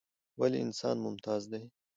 ولې انسان ممتاز دى؟